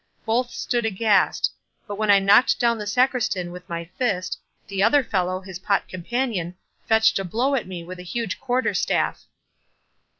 Both stood aghast; but when I knocked down the Sacristan with my fist, the other fellow, his pot companion, fetched a blow at me with a huge quarter staff."